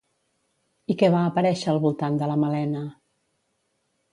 I què va aparèixer al voltant de la Malena?